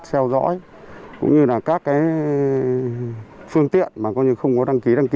theo dõi cũng như là các cái phương tiện mà không có đăng ký đăng ký